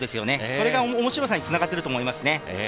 それが面白さに繋がっていると思います。